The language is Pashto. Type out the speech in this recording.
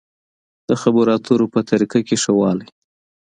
د خبرو اترو په طريقه کې ښه والی.